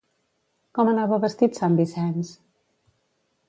Com anava vestit sant Vicenç?